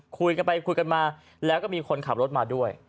คุยกันไปคุยกันมาแล้วก็มีคนขับรถมาด้วย